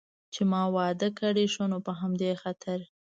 چې ما واده کړی، ښه نو په همدې خاطر.